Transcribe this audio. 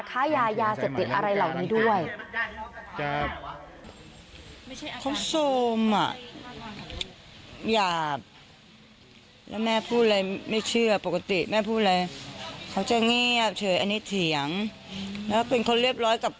ค้ายายาเสพติดอะไรเหล่านี้ด้วย